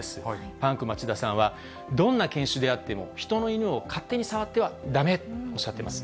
パンク町田さんは、どんな犬種であっても、人の犬を勝手に触ってはだめとおっしゃってます。